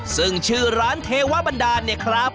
ซึ่งชื่อร้านเทวบันดาลเนี่ยครับ